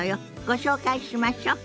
ご紹介しましょ。